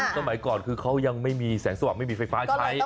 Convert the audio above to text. สมัยก่อนคือเขายังไม่มีแสงสว่างไม่มีไฟฟ้าใช้